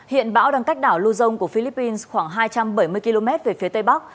hiện bão đang cách đảo luzon của philippines khoảng hai trăm bảy mươi km về phía tây bắc